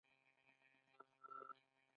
نن سبا د احمد کارونه ډېر ښه چالان دي.